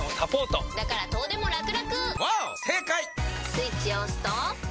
スイッチを押すと。